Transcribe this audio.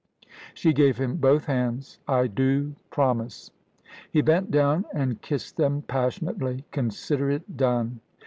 She gave him both hands. "I do promise." He bent down and kissed them, passionately. "Consider it done."